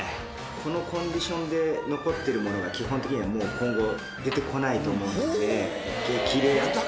このコンディションで残ってるものが、基本的にはもう今後、出てこないと思うので、激レア。